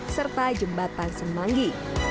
serta jembatan semanggi